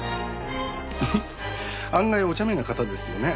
フフッ案外おちゃめな方ですよね